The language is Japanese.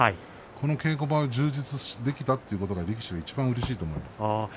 この稽古場が充実できたということが力士はいちばんうれしいと思います。